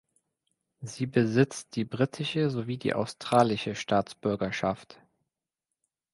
Sie besitzt die britische sowie die australische Staatsbürgerschaft.